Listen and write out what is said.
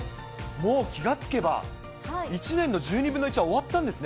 もう気が付けば、１年の１２分の１は終わったんですね。